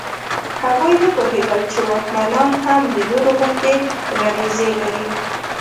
هغوی نه پوهېدل چې واکمنان هم د نورو غوندې غریزې لري.